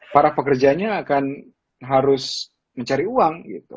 para pekerjanya akan harus mencari uang gitu